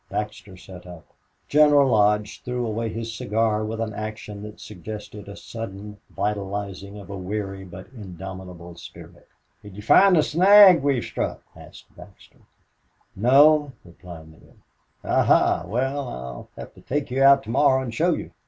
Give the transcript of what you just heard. Baxter sat up. General Lodge threw away his cigar with an action that suggested a sudden vitalizing of a weary but indomitable spirit. "Did you find the snag we've struck?" asked Baxter, slowly. "No," replied Neale. "Aha! Well, I'll have to take you out tomorrow and show you."